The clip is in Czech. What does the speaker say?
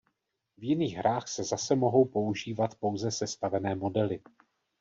V jiných hrách se zase mohou používat pouze sestavené modely.